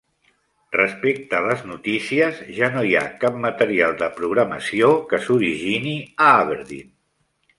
Respecte a les noticies, ja no hi ha cap material de programació que s'origini a Aberdeen.